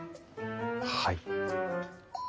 はい。